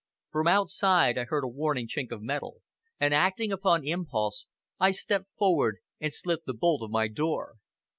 From outside I heard a warning chink of metal, and, acting upon impulse, I stepped forward and slipped the bolt of my door.